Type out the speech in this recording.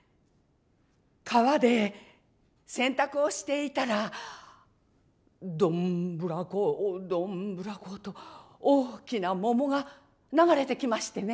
川で洗濯をしていたらどんぶらこどんぶらこと大きな桃が流れてきましてね。